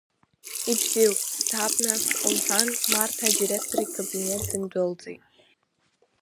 Ибзиоуп, сцап, нас, — лҳәан, Марҭа адиректор икабинет дындәылҵит.